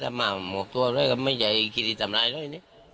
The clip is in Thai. แต่ถ้ามาหลบหลบก็ไม่มีอะไรที่ตานมาเลย